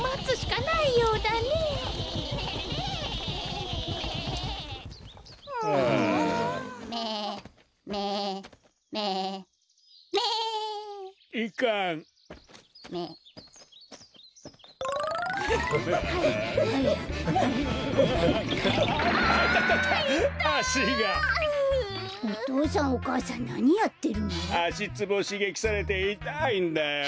あしツボをしげきされていたいんだよ。